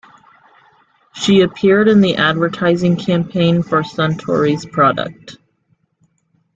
She appeared in the advertising campaign for Suntory's product.